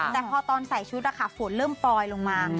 แต่พอตอนใส่ชุดฝนเริ่มปลอยลงมา